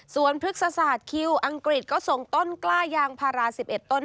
ส่วนพฤกษศาสตร์คิวอังกฤษก็ส่งต้นกล้ายางพารา๑๑ต้น